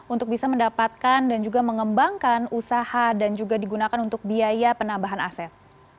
untuk bisa mendapatkan dan juga mengembangkan usaha dan juga digunakan untuk biaya penambahan aset